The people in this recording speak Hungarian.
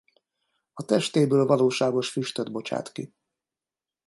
A testéből valóságos füstöt bocsát ki.